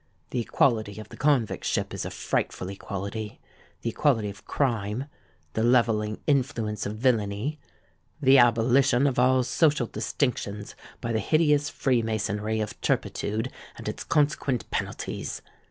The equality of the convict ship is a frightful equality,—the equality of crime,—the levelling influence of villany,—the abolition of all social distinctions by the hideous freemasonry of turpitude and its consequent penalties!